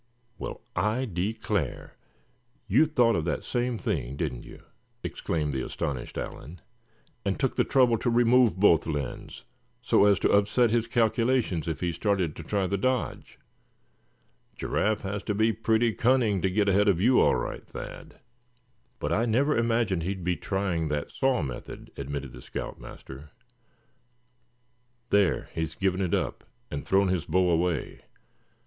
"Well, I declare, you thought of that same thing, didn't you?" exclaimed the astonished Allan; "and took the trouble to remove both lens, so as to upset his calculations if he started to try the dodge. Giraffe has to be pretty cunning to get ahead of you, all right, Thad." "But I never imagined he'd be trying that saw method," admitted the scout master. "There, he's given it up and thrown his bow away.